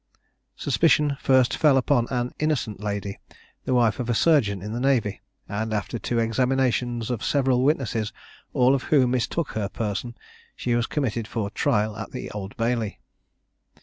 Suspicion first fell upon an innocent lady, the wife of a surgeon in the navy, and, after two examinations of several witnesses, all of whom mistook her person, she was committed for trial at the Old Bailey.